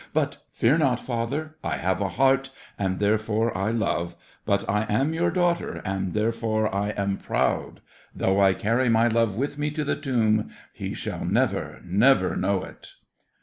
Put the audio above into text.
But fear not, father, I have a heart, and therefore I love; but I am your daughter, and therefore I am proud. Though I carry my love with me to the tomb, he shall never, never know it.